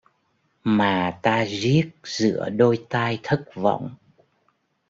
mà ta riết giữa đôi tay thất vọng.